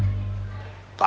halal atau haram